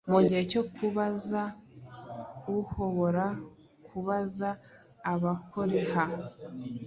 mugihe cyo kubaza uhobora kubaza abakoreha